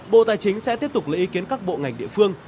bộ tài chính sẽ tiếp tục lấy ý kiến các bộ ngành địa phương